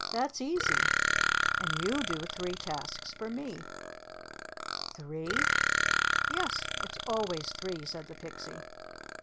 That's easy. And you do three tasks for me." "Three?" "Yes, it's always three," said the Pixie.